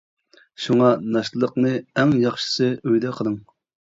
شۇڭا ناشتىلىقنى ئەڭ ياخشىسى ئۆيدە قىلىڭ.